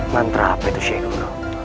mantra apa itu syekh guru